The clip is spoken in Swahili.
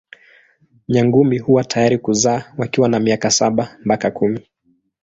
Nyangumi huwa tayari kuzaa wakiwa na miaka saba mpaka kumi.